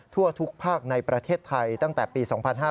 ทั่วทุกภาคในประเทศไทยตั้งแต่ปี๒๕๕๙